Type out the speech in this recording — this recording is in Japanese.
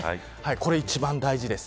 これが一番大事です。